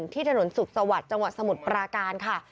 ที่ถนนสุขสวัสดิ์จังหวัดสมุทรปราการค่ะ